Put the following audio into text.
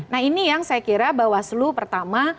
nah ini yang saya kira bawaslu pertama